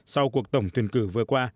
sau cuộc tổng tuyển cử vừa qua